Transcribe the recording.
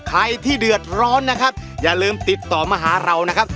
ใครที่เดือดร้อนนะครับอย่าลืมติดต่อมาหาเรานะครับ